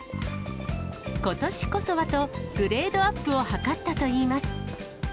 ことしこそはと、グレードアップを図ったといいます。